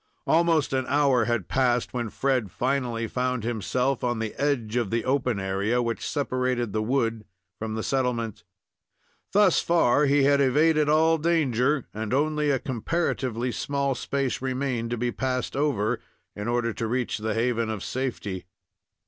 Almost an hour had passed, when Fred finally found himself on the edge of the open area which separated the wood from the settlement. Thus far he had evaded all danger and only a comparatively small space remained to be passed over in order to reach the haven of safety.